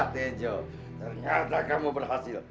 ternyata kamu berhasil